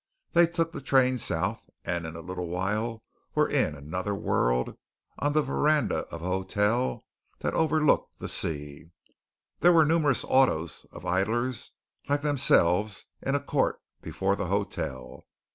They took the train south, and in a little while were in another world, on the veranda of a hotel that overlooked the sea. There were numerous autos of idlers like themselves in a court before the hotel.